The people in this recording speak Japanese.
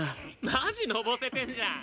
マジのぼせてんじゃん。